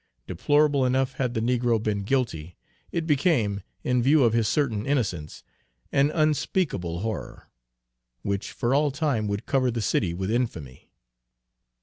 Deplorable enough had the negro been guilty, it became, in view of his certain innocence, an unspeakable horror, which for all time would cover the city with infamy.